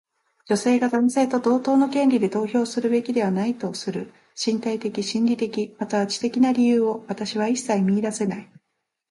女性が男性と同等の権利で投票するべきではないとする身体的、心理的、または知的な理由を私は一切見いだせない。